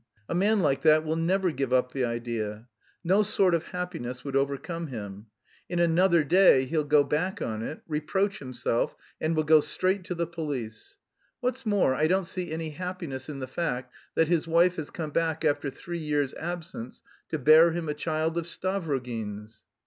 A man like that will never give up the idea. No sort of happiness would overcome him. In another day he'll go back on it, reproach himself, and will go straight to the police. What's more, I don't see any happiness in the fact that his wife has come back after three years' absence to bear him a child of Stavrogin's."